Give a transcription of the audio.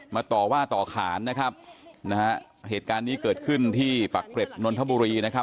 ต่อว่าต่อขานนะครับนะฮะเหตุการณ์นี้เกิดขึ้นที่ปักเกร็ดนนทบุรีนะครับ